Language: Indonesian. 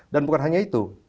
dan bukan hanya itu